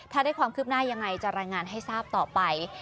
ถ้าได้ความคืบหน้ายังไงจะรายงานให้ทราบต่อไป